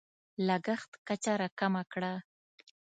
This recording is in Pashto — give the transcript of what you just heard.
لګښت کچه راکمه کړه.